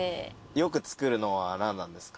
よく作るのは何なんですか？